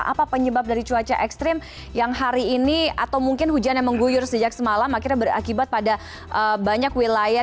apa penyebab dari cuaca ekstrim yang hari ini atau mungkin hujan yang mengguyur sejak semalam akhirnya berakibat pada banyak wilayah